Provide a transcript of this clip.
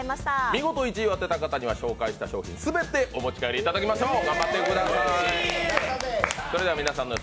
見事１位を当てた方には紹介した商品全てお持ち帰りいただきましょう。